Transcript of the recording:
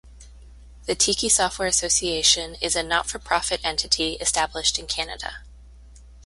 The Tiki Software Association is a not-for-profit entity established in Canada.